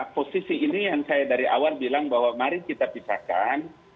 posisi ini yang saya dari awal bilang bahwa mari kita pisahkan